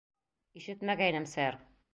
— Ишетмәгәйнем, сэр.